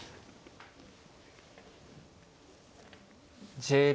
１０秒。